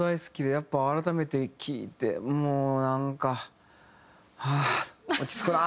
やっぱ改めて聴いてもうなんか「はあ落ち着くなあ」